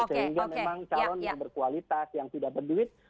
sehingga memang calon yang berkualitas yang tidak berduit